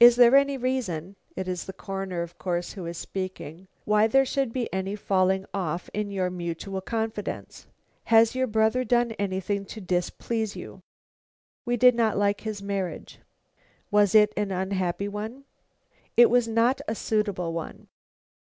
"Is there any reason" it is the Coroner, of course, who is speaking "why there should be any falling off in your mutual confidence? Has your brother done anything to displease you?" "We did not like his marriage." "Was it an unhappy one?" "It was not a suitable one."